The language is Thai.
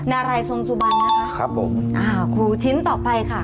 นารัยสนสุบันนะครับครับผมคุณผู้ชิ้นต่อไปค่ะ